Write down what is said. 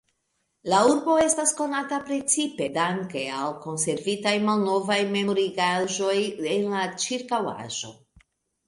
La urbo estas konata precipe danke al konservitaj malnovaj memorigaĵoj en la ĉirkaŭaĵo.